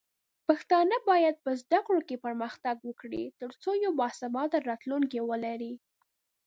پښتانه بايد په زده کړو کې پرمختګ وکړي، ترڅو یو باثباته راتلونکی ولري.